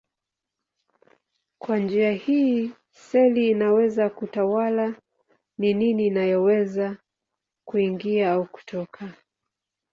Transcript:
Kwa njia hii seli inaweza kutawala ni nini inayoweza kuingia au kutoka.